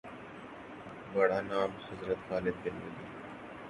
بڑا نام حضرت خالد بن ولید